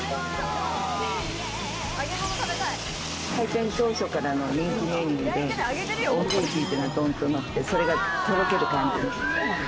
開店当初からの人気メニューで、大きいチーズが、ドンとのって、それがとろける感じ。